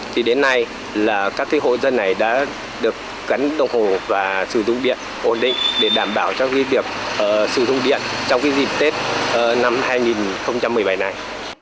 thì đến nay là các hộ dân này đã được cắn đồng hồ và sử dụng điện ổn định để đảm bảo cho việc sử dụng điện trong dịp tết năm hai nghìn một mươi bảy này